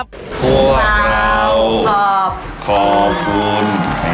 บทเราขอบคุณ